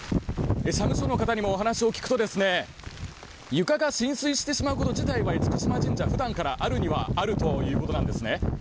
社務所の方にも話を聞くと床が浸水してしまうこと自体は厳島神社普段からあるにはあるということなんですね。